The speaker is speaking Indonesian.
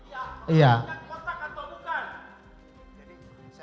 plastiknya ada di dalam plastik